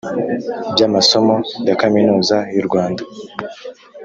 by amasomo ya kaminuza y’u Rwanda